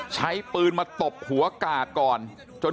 ใช้ปืนมาตบหัวกาดก่อน